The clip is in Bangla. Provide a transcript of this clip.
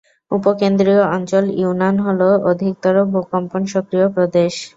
উপকেন্দ্রিয় অঞ্চল ইউনান হল অধিকতর ভূ-কম্পন সক্রিয় প্রদেশ।